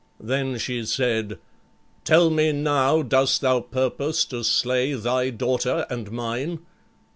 Then she said: "Tell me now, dost thou purpose to slay thy daughter and mine?"